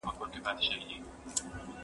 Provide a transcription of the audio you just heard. زه بايد درس ولولم!